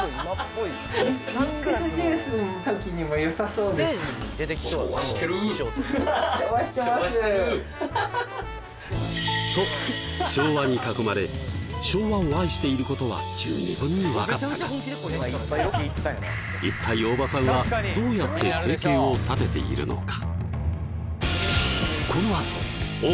そうですと昭和に囲まれ昭和を愛していることは十二分に分かったが一体大場さんはどうやって生計を立てているのか？